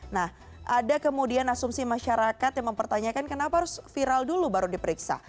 nah ada kemudian asumsi masyarakat yang mempertanyakan kenapa harus viral dulu baru diperiksa